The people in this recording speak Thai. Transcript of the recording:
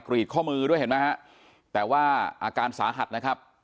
รีดข้อมือด้วยเห็นไหมฮะแต่ว่าอาการสาหัสนะครับ